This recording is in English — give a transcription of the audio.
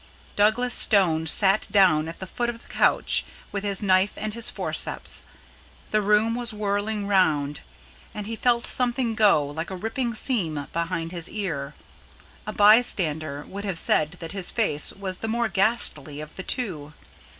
Douglas Stone sat down at the foot of the couch with his knife and his forceps. The room was whirling round, and he had felt something go like a ripping seam behind his ear. A bystander would have said that his face was the more ghastly of the two.